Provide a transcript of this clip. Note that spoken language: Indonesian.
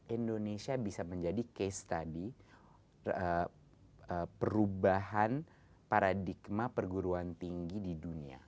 indonesia bisa menjadi case study perubahan paradigma perguruan tinggi di dunia